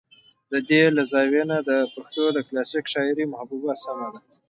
د دې له زاويې نه د پښتو د کلاسيکې شاعرۍ محبوبه سمه ده